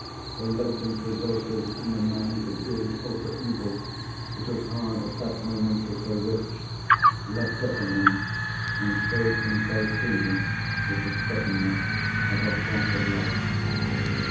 The latent resources in the man, for good or for evil—it was hard, at that moment, to say which—leapt up in him and showed themselves to me, with the suddenness of a flash of light.